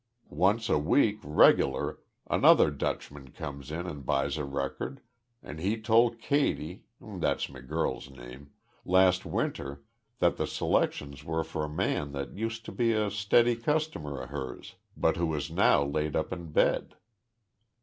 Once a week, regular, another Dutchman comes in an' buys a record, an' he told Katy that's me gurrul's name last winter that th' selections were for a man that used to be a stiddy customer of hers but who was now laid up in bed."